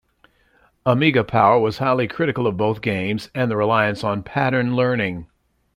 Amiga Power was highly critical of both games and the reliance on pattern learning.